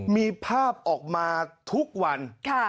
มีภาพออกมาทุกวัน